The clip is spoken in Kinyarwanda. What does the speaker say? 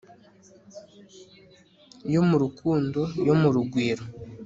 yo mu rukundo yo mu rugwiro